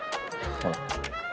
ほら。